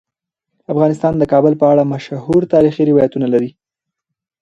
افغانستان د کابل په اړه مشهور تاریخی روایتونه لري.